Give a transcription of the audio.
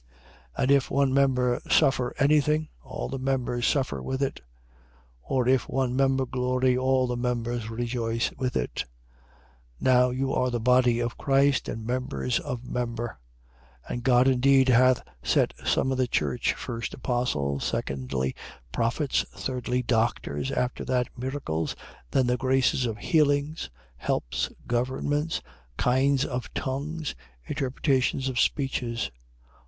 12:26. And if one member suffer any thing, all the members suffer with it: or if one member glory, all the members rejoice with it. 12:27. Now you are the body of Christ and members of member. 12:28. And God indeed hath set some in the church; first apostles, secondly prophets, thirdly doctors: after that miracles: then the graces of healings, helps, governments, kinds of tongues, interpretations of speeches.